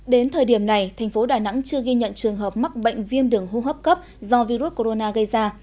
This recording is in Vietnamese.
đến thời điểm này thành phố đà nẵng chưa ghi nhận trường hợp mắc bệnh viêm đường hô hấp cấp do virus corona gây ra